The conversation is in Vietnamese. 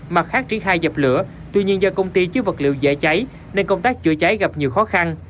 mặt khác triển khai dập lửa tuy nhiên do công ty chứa vật liệu dễ cháy nên công tác chữa cháy gặp nhiều khó khăn